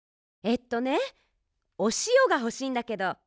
えっとねおしおがほしいんだけど。